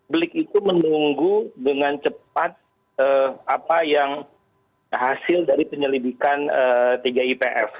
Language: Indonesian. blik itu menunggu dengan cepat apa yang hasil dari penyelidikan tiga ipf